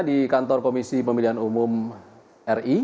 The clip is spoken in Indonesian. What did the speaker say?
di kantor komisi pemilihan umum ri